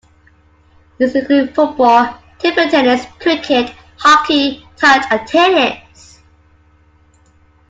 These include football, table tennis, cricket, hockey, touch and tennis.